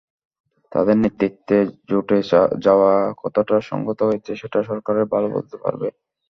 তাদের নেতৃত্বে জোটে যাওয়া কতটা সংগত হয়েছে, সেটা সরকারই ভালো বলতে পারবে।